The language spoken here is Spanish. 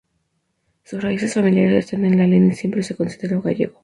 Sus raíces familiares están en Lalín y siempre se consideró gallego.